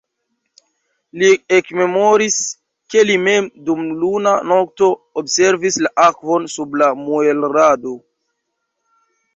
Li ekmemoris, ke li mem, dum luna nokto, observis la akvon sub la muelrado.